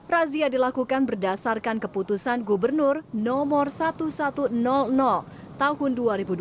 razia dilakukan berdasarkan keputusan gubernur no seribu seratus tahun dua ribu dua puluh